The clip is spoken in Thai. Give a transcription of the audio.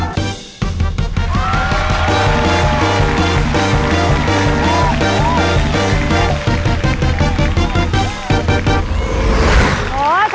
อุปกรณ์ทำสวนชนิดใดราคาถูกที่สุด